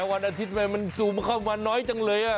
วันอาทิตย์มันสูงเข้ามาน้อยจังเลย